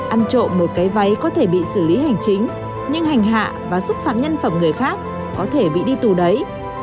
ăn trộm một cái váy có thể bị xử lý hành chính nhưng hành hạ và xúc phạm nhân phẩm người khác có thể bị đi tù đấy